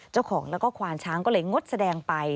เจ้าของแล้วก็ควานช้างก็เลยงดแสดงไป